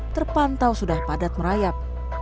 terpantau sudah padat merayap